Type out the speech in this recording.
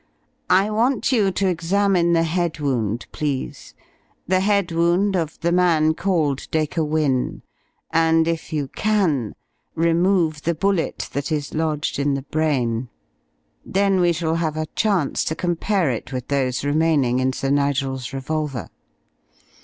I want you to examine the head wound, please the head wound of the man called Dacre Wynne, and, if you can, remove the bullet that is lodged in the brain. Then we shall have a chance to compare it with those remaining in Sir Nigel's revolver."